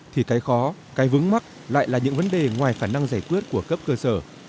thì cái khó cái vướng mắc lại là những vấn đề ngoài khả năng giải quyết của cấp cơ sở